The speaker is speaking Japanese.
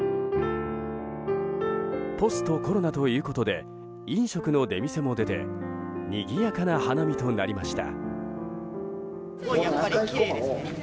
ポストコロナということで飲食の出店も出てにぎやかな花見となりました。